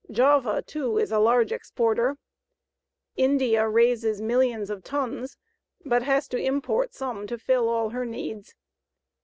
Java, too, is a large exporter. India raises millions of tons but has to import some to fill all her needs.